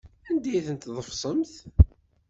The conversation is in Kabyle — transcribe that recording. Anda ay ten-tḍefsemt?